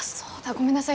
ごめんなさい